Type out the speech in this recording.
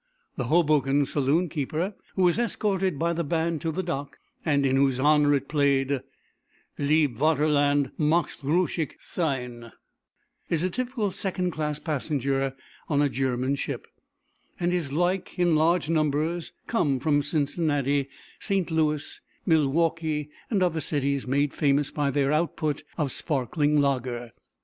The Hoboken saloon keeper who was escorted by the band to the dock, and in whose honour it played "Lieb Vaterland magst ruhig sein," is a typical second class passenger on a German ship; and his like in large numbers come from Cincinnati, St. Louis, Milwaukee and other cities made famous by their output of sparkling lager.